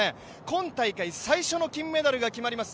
今大会最初の金メダルが決まります